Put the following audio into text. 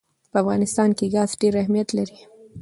په افغانستان کې ګاز ډېر اهمیت لري.